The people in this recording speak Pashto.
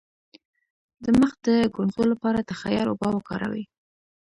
د مخ د ګونځو لپاره د خیار اوبه وکاروئ